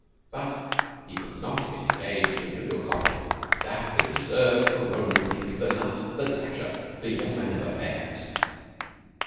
But he could not get engaged to Muriel Coppin. That was reserved for Roland Bleke, the nut, the dasher, the young man of affairs.